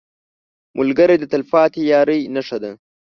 ملګری د تلپاتې یارۍ نښه ده